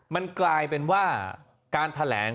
มันกลายเป็นว่าการแถลง